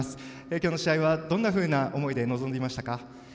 今日の試合はどんなふうな思いで臨んでいましたか？